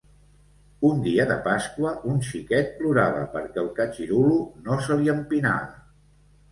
Un dia de pasqua un xiquet plorava perquè el catxirulo no se li empinava.